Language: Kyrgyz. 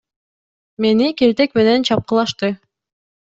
Мени келтек менен чапкылашты.